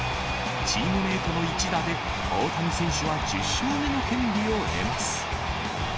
チームメートの一打で、大谷選手は１０勝目の権利を得ます。